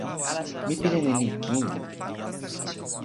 mi pilin e ni kin.